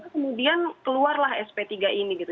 kemudian keluarlah sp tiga ini gitu